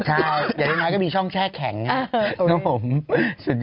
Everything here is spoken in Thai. ใช่เดี๋ยวน้อยก็มีช่องแช่แข็งนะสุดยอด